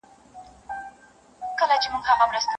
زما یې نوم له هغه قام سره پېیلی